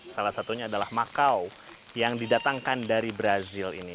salah satunya adalah makau yang didatangkan dari brazil ini